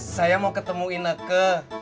saya mau ketemu ineke